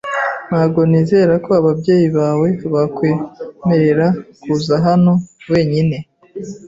Ntabwo nizera ko ababyeyi bawe bakwemerera kuza hano wenyine.